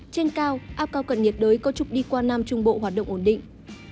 trên cao áp cao cận nhiệt đới có trục đi qua nam trung bộ hoạt động ổn định